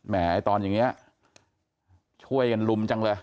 ตอนอย่างนี้ช่วยกันลุมจังเลย